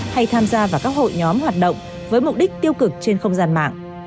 hay tham gia vào các hội nhóm hoạt động với mục đích tiêu cực trên không gian mạng